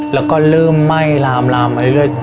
และเริ่มไหม้รามมาเรื่อย